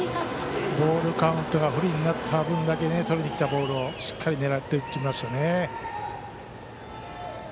ボールカウントが不利になった分だけとりにきたボールをしっかり狙ってきましたね。